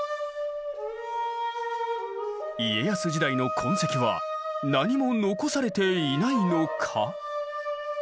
家康時代の痕跡は何も残されていないのか？